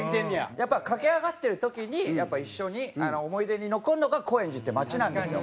やっぱ駆け上がってる時にやっぱ一緒にあの思い出に残るのが高円寺って街なんですよ。